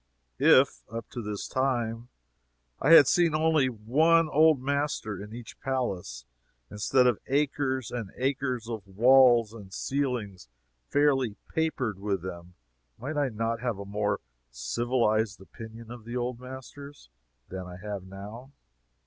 If, up to this time, I had seen only one "old master" in each palace, instead of acres and acres of walls and ceilings fairly papered with them, might I not have a more civilized opinion of the old masters than I have now?